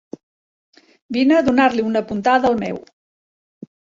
Vine a donar-li una puntada al meu